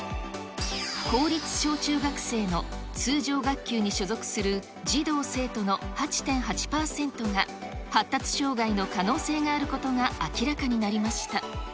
公立小中学生の通常学級に所属する児童・生徒の８．８％が発達障害の可能性があることが明らかになりました。